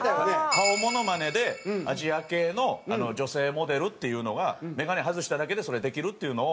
顔モノマネでアジア系の女性モデルっていうのが眼鏡外しただけでそれできるっていうのを。